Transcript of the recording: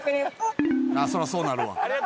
そりゃそうなるわ。